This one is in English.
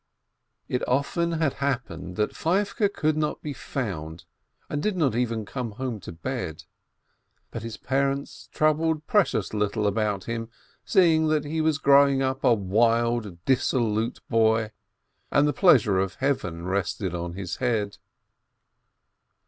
How often it had happened that Feivke could not be found, and did not even come home to bed ! But his parents troubled precious little about him, seeing that he was growing up a wild, dissolute boy, and the dis pleasure of Heaven rested on his head.